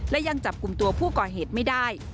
และยังจับกลุ่มตัวผู้ก่อเหตุไม่ได้